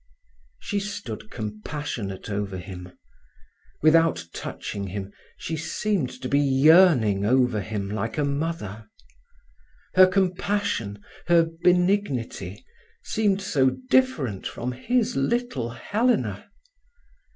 She stood compassionate over him. Without touching him she seemed to be yearning over him like a mother. Her compassion, her benignity, seemed so different from his little Helena.